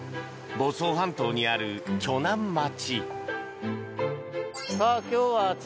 房総半島にある鋸南町。